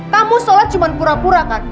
kamu sholat cuma pura pura kan